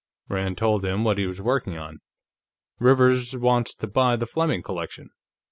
Rand told him what he was working on. "Rivers wants to buy the Fleming collection.